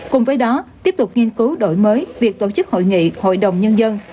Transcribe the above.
cùng với đó tiếp tục nghiên cứu đổi mới việc tổ chức hội nghị hội đồng nhân dân